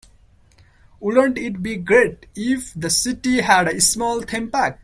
Wouldn't it be great if the city had a small theme park?